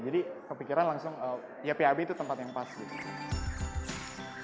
jadi kepikiran langsung ypab itu tempat yang pas gitu